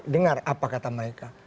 dengar apa kata mereka